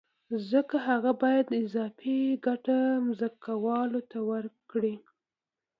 ځکه هغه باید اضافي ګټه ځمکوال ته ورکړي